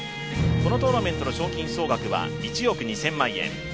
このトーナメントの賞金総額は１億２０００万円。